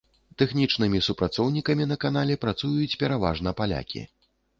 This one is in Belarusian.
Тэхнічнымі супрацоўнікамі на канале працуюць пераважна палякі.